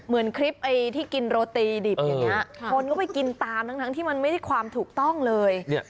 เหมือนคลิปไอ้ที่กินโรตีดิบอย่างนี้คนก็ไปกินตามทั้งที่มันไม่ได้ความถูกต้องเลย